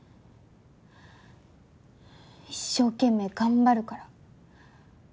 一生懸命頑張るから。